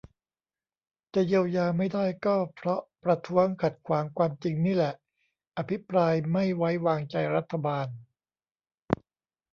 จะเยียวยาไม่ได้ก็เพราะประท้วงขัดขวางความจริงนี่แหละ อภิปรายไม่ใว้วางใจรัฐบาล